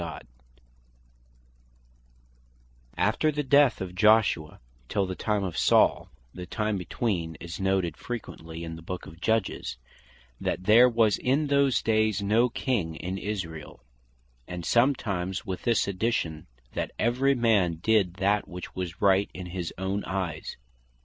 Of The Soveraign Power Between The Time Of Joshua And Of Saul After the death of Joshua, till the time of Saul, the time between is noted frequently in the Book of Judges, "that there was in those dayes no King in Israel;" and sometimes with this addition, that "every man did that which was right in his own eyes."